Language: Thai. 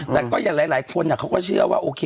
แต่ก็อย่างหลายคนเขาก็เชื่อว่าโอเค